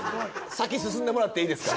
先進んでもらっていいですか？